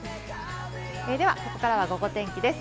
ではここからはゴゴ天気です。